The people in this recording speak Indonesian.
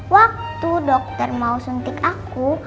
waktu dokter mau suntik aku